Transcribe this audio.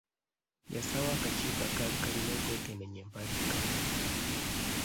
Yassaawo akakiiko akaali kalina okwekenneenya empandiika y'Oluganda.